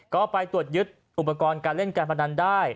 ก็ไปตรวจยึดอุปกรณ์การเล่นการพนันได้